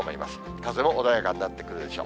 風も穏やかになってくるでしょう。